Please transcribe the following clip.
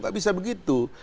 tidak bisa begitu